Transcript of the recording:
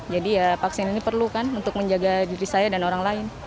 jadi vaksin ini perlu untuk menjaga diri saya dan orang lain